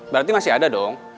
berarti masih ada dong